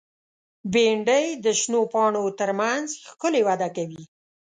بېنډۍ د شنو پاڼو تر منځ ښکلي وده کوي